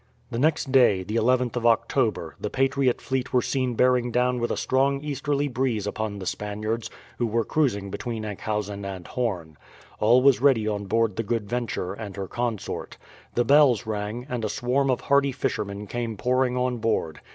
The next day, the 11th of October, the patriot fleet were seen bearing down with a strong easterly breeze upon the Spaniards, who were cruising between Enkuizen and Horn. All was ready on board the Good Venture and her consort. The bells rang, and a swarm of hardy fishermen came pouring on board.